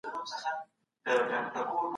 آس څوځایه ویشتلی